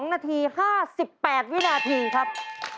๒นาที๕๘วินาทีครับ